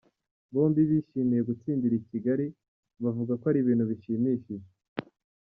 Bombi bishimiye gutsindira i Kigali, bavuga ko ari ibintu bishimishije.